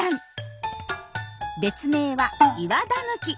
別名は「イワダヌキ」。